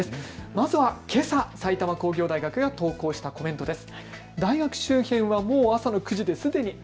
まずはけさ、埼玉工業大学が投稿したものです。